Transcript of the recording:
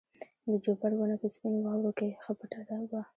د جوپر ونه په سپینو واورو کې ښه پټه وه.